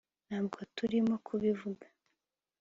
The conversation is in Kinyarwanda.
Ntabwo turimo kubivuga